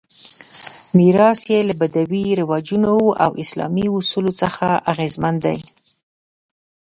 میراث یې له بدوي رواجونو او اسلامي اصولو څخه اغېزمن دی.